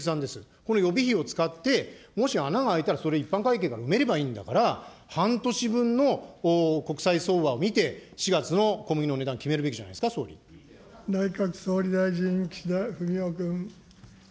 この予備費を使って、もし穴が開いたらそれ、一般会計から埋めればいいんだから、半年分の国際相場を見て、４月の小麦の値段決めるべきじゃないで内閣総理大臣、岸田文雄君。